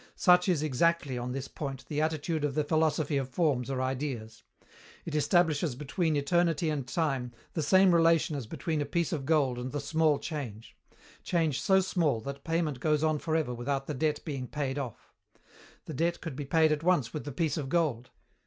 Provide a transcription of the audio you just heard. Such is exactly, on this point, the attitude of the philosophy of Forms or Ideas. It establishes between eternity and time the same relation as between a piece of gold and the small change change so small that payment goes on for ever without the debt being paid off. The debt could be paid at once with the piece of gold.